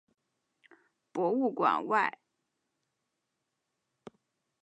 博物馆外